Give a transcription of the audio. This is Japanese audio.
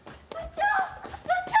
部長！